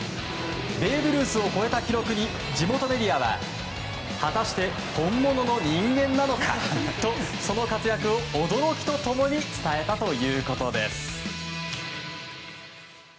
ベーブ・ルースを超えた記録に地元メディアは果たして本物の人間なのかとその活躍を驚きと共に伝えたということです。